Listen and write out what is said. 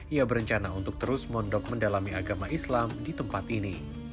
ia berencana untuk terus mondok mendalami agama islam di tempat ini